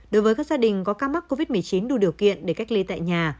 đối với các gia đình có ca mắc covid một mươi chín đủ điều kiện để cách ly tại nhà